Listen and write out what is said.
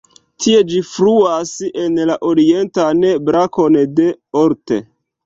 Tie ĝi fluas en la orientan brakon de Olt.